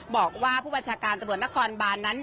บอกว่าผู้บัญชาการตำรวจนครบานนั้น